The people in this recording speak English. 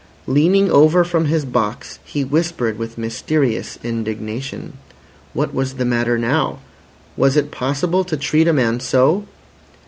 Leaning over from his box, he whispered with mysterious indignation. What was the matter now? Was it possible to treat a man so?